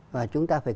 và chúng ta phải